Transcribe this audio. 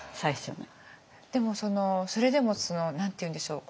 でもそれでも何て言うんでしょう